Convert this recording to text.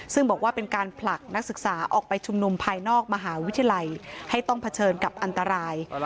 ซึ่งบอกว่าเป็นการผลักนักศึกษาออกไปชุมนุมภายนอกมหาวิทยาลัยให้ต้องเผชิญกับอันตราย